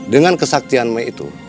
dengan kesaktianmu itu